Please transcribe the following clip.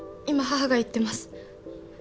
今母が行ってます。